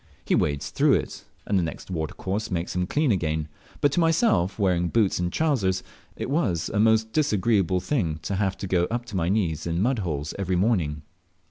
He wades through it, and the next watercourse makes him clean again; but to myself, wearing boots and trousers, it was a most disagreeable thing to have to go up to my knees in a mud hole every morning.